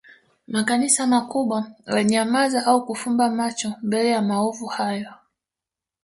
Makanisa makubwa yalinyamaza au kufumba macho mbele ya maovu hayo